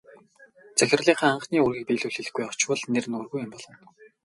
Захирлынхаа анхны үүрийг биелүүлэлгүй очвол нэр нүүргүй юм болно.